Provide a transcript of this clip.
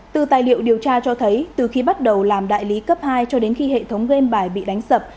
từ tài liệu điều tra cho thấy từ khi bắt đầu làm đại lý cấp hai cho đến khi hệ thống game bài bị đánh sập